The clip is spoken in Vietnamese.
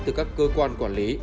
từ các cơ quan quản lý